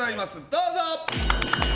どうぞ。